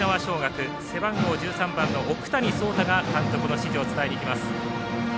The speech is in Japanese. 背番号１３番の奥谷壮太が監督の指示を伝えにいきます。